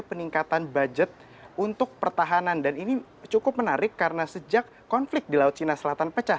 peningkatan budget untuk pertahanan dan ini cukup menarik karena sejak konflik di laut cina selatan pecah